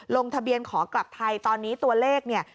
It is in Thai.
ลงทะเบียนขอกลับไทยตอนนี้ตัวเลขเนี่ย